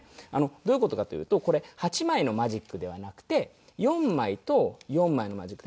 どういう事かというとこれ８枚のマジックではなくて４枚と４枚のマジックで。